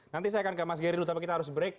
nanti saya akan ke mas gery dulu tapi kita harus break